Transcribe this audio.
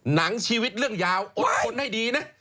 หนังชีวิตเรื่องยาวอดทนให้ดีนะ